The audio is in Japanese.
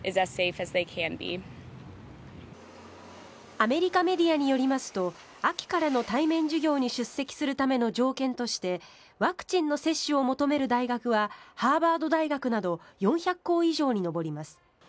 アメリカメディアによりますと秋からの対面授業に出席するための条件としてワクチンの接種を求める大学はハーバード大学など４００校以上に上ります。